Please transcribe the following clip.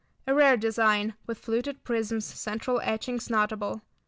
A rare design, with fluted prisms, central etchings notable.